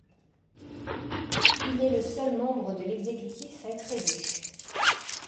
Il est le seul membre de l'exécutif à être élu.